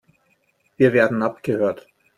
Wir werden abgehört.